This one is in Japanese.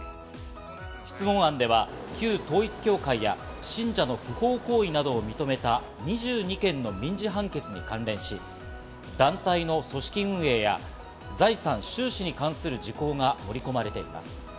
質問案では旧統一教会や信者の不法行為などを認めた２２件の民事判決に関連し、団体の組織運営や財産・収支に関する事項が盛り込まれています。